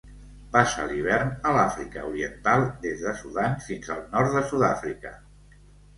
Passa l'hivern a l'Àfrica Oriental, des de Sudan fins al nord de Sud-àfrica.